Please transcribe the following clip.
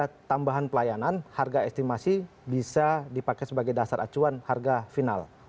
ada tambahan pelayanan harga estimasi bisa dipakai sebagai dasar acuan harga final